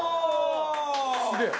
すげえ！